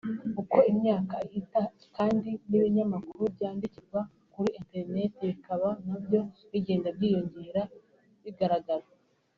uko imyaka ihita kandi n’ibinyamakuru byandikirwa kuri internet bikaba nabyo bigenda byiyongera bigaragara